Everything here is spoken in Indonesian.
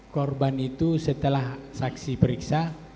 korban itu setelah saksi periksa